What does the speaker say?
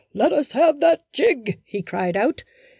"Let us have that jig," he cried out.